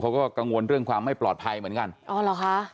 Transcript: เขาก็กังวลเรื่องความไม่ปลอดภัยเหมือนกันอ๋อเหรอคะ